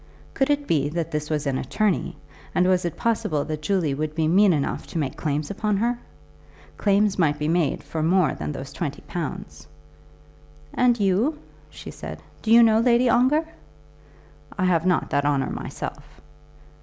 Could it be that this was an attorney, and was it possible that Julie would be mean enough to make claims upon her? Claims might be made for more than those twenty pounds. "And you," she said, "do you know Lady Ongar?" "I have not that honour myself."